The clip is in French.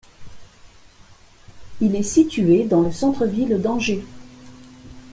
Il est situé dans le centre-ville d’Angers.